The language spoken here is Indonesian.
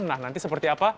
nah nanti seperti apa